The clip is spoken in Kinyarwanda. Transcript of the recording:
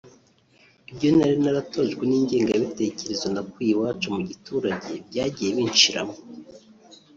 Ibyo nari naratojwe n’ingengabitekerezo nakuye iwacu mu giturage byagiye binshiramo